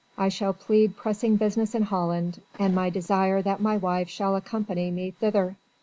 I shall plead pressing business in Holland and my desire that my wife shall accompany me thither.